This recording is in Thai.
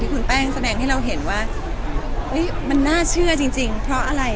คุณแป้งแสดงให้เราเห็นว่ามันน่าเชื่อจริงเพราะอะไร